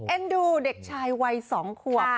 ดูเด็กชายวัย๒ขวบ